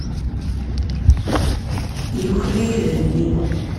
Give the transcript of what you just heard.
Yuker-iyi idrimen-inu.